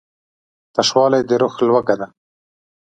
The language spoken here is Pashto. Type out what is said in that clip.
تشوالی د روح لوږه ده.